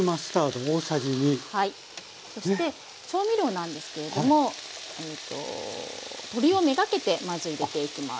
そして調味料なんですけれども鶏を目がけてまず入れていきます。